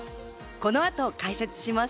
この後、解説します。